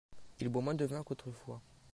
Il boit moins de vin qu'autrefois.